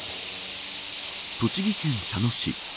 栃木県佐野市。